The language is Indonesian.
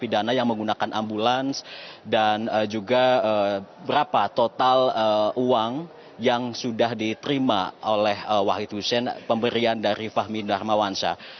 dan juga mahal uang yang sudah diterima oleh wai tusein pemberian dari fahmi darmawansyah